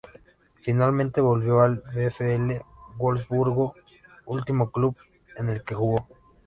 Finalmente volvió al VfL Wolfsburgo, último club en el que jugó.